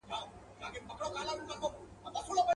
چي عادت وي چا اخیستی په شیدو کي.